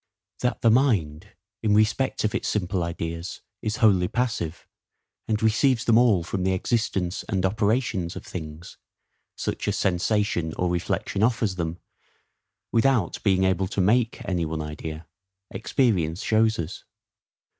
That the mind, in respect of its simple ideas, is wholly passive, and receives them all from the existence and operations of things, such as sensation or reflection offers them, without being able to MAKE any one idea, experience shows us.